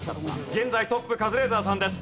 現在トップカズレーザーさんです。